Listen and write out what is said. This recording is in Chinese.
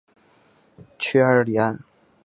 屈埃尔里安。